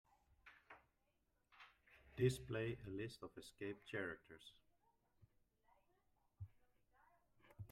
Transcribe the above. Display a list of escape characters.